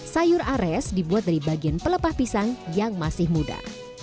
sayur ares dibuat dari bagian pelepah pisang yang masih muda